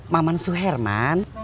maman si herman